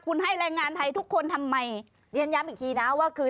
คุณให้แรงงานไทยทุกคนทำไมเรียนย้ำอีกทีนะว่าคือ